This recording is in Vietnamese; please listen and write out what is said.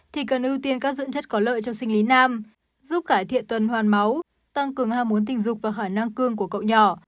thì cần ưu tiên các dưỡng chất có lợi cho sinh lý nam giúp cải thiện tuần hoàn máu tăng cường ham muốn tình dục và hỏi năng cương của cậu nhỏ